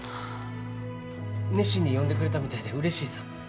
熱心に読んでくれたみたいでうれしいさ。